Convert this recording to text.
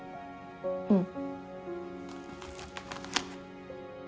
うん。